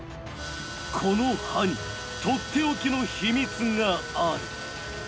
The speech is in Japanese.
この刃にとっておきの秘密がある。